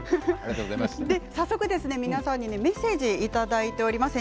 早速、選手の皆さんにメッセージいただいています。